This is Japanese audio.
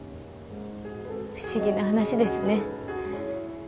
不思議な話ですね。